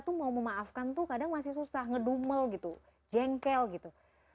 karena kita tuh mau memaafkan tuh kadang masih susah ngedumel gitu jengkel gitu